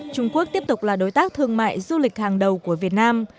trung quốc tiếp tục là đối tác thương mại du lịch hàng đầu của việt nam